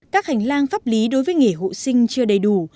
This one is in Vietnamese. các hành lang pháp lý đối với nghề hộ sinh chưa đầy đủ